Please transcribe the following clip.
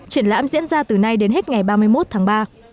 triển lãm diễn ra từ nay đến hết ngày ba mươi một tháng ba